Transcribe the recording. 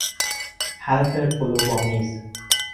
حرف غلوآمیز